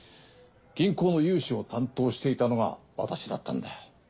銀行の融資を担当していたのが私だったんだよ。